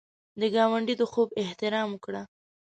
د ګاونډي د خوب احترام وکړه